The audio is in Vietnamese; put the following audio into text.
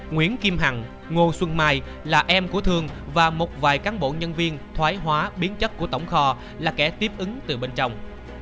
nguyễn kim hằng ngô xuân mai là em của thương và một vài cán bộ nhân viên thoái hóa biến chất của tổng kho là kẻ tiếp ứng từ bên trong